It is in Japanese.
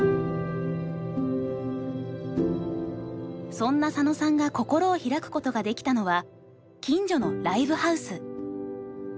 そんな佐野さんが心を開くことができたのは近所のライブハウス。